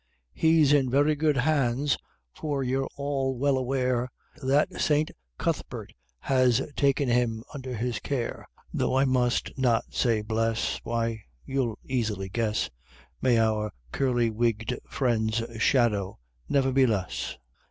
He's in very good hands, for you're all well aware That St. Cuthbert has taken him under his care; Though I must not say 'bless,' Why, you'll easily guess, May our curly wigged Friend's shadow never be less!"